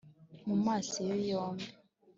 mu maso ye yombi